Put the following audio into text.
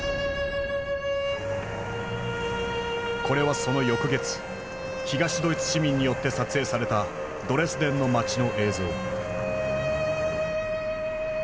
これはその翌月東ドイツ市民によって撮影されたドレスデンの街の映像。